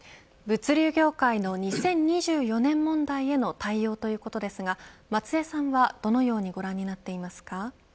物流業界の２０２４年問題への対応ということですが松江さんは、どのようにご覧になっていますか。